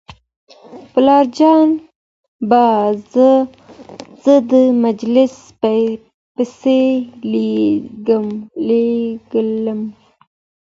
پلارجان به زه د مجلې پسې لېږلم.